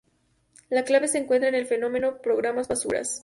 la clave se encuentra en el fenómeno programas basuras